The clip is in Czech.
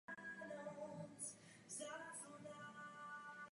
To mě přivádí ke třetí poznámce.